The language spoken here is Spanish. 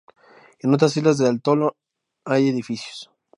En otras islas del atolón hay edificios.